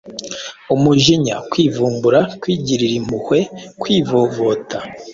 umujinya, kwivumbura, kwigiririra impuhwe, kwivovota,